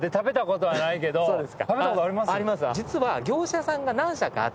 実は。